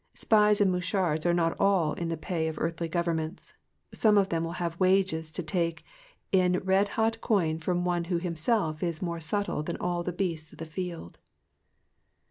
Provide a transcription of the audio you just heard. Spies and mouchards are not all in the pay of earthly governments, some of them will have wages to take in red hot coin from one who himself is more subtle than all the beasts of the field.